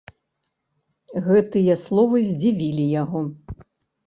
Гэтыя словы здзівілі яго.